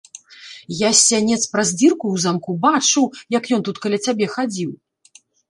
Я з сянец праз дзірку ў замку бачыў, як ён тут каля цябе хадзіў.